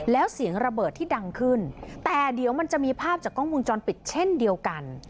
แล้วเสียงระเบิดที่ดังขึ้นแต่เดี๋ยวมันจะมีภาพจากกล้องวงจรปิดเช่นเดียวกัน